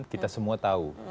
kita semua tahu